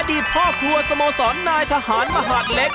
ดีพ่อครัวสโมสรนายทหารมหาดเล็ก